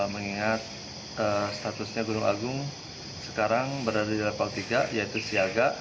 mengingat statusnya gunung agung sekarang berada di level tiga yaitu siaga